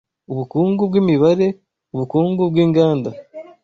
ubukungu bw’imibare ubukungu bw’inganda